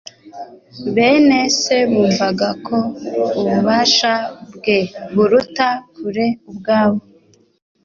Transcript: Bene se bumvaga ko ububasha bwe buruta kure ubwabo.